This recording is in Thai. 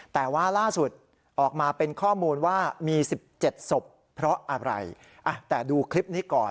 แต่ว่าล่าสุดออกมาเป็นข้อมูลว่ามี๑๗ศพเพราะอะไรแต่ดูคลิปนี้ก่อน